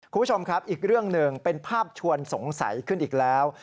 คุณผู้ชมครับอีกเรื่องหนึ่งเป็นภาพชวนสงสัยขึ้นอีกแล้ว